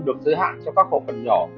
được giới hạn cho các khẩu phần nhỏ